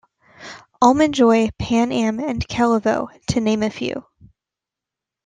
Almond Joy, Pan Am and Calavo to name a few.